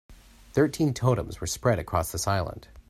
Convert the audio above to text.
Thirteen totems were spread across this island.